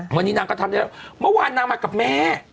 วันนี้นางก็ทำได้แล้วเมื่อวานนางมากับแม่